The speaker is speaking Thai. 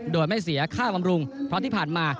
โดยไม่เสียค่าบำรุงเพราะที่ผ่านมา